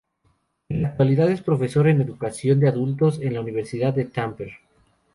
En la actualidad es profesor en Educación de Adultos en la Universidad de Tampere.